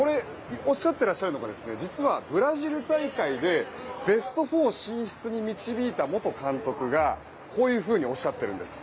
おっしゃってらっしゃるのが実は、ブラジル大会でベスト４進出に導いた元監督がこういうふうにおっしゃっているんです。